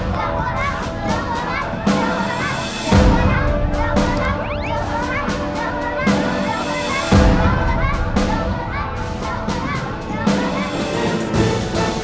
เยาว์เมอร์แมน